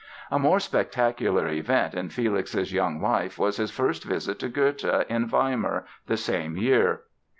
A more spectacular event in Felix's young life was his first visit to Goethe, in Weimar, the same year.